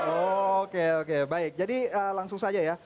oke oke baik jadi langsung saja ya